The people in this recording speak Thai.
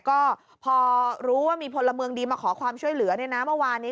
ก็พอรู้ว่ามีพลเมืองดีมาขอความช่วยเหลือเมื่อวานนี้